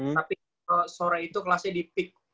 tapi sore itu kelasnya dipik